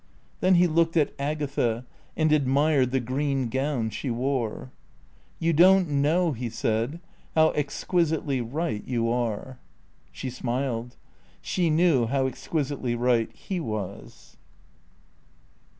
Then he looked at Agatha and admired the green gown she wore. "You don't know," he said, "how exquisitely right you are." She smiled. She knew how exquisitely right he was.